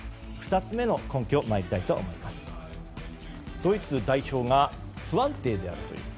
２つ目の根拠はドイツ代表が不安定であるという。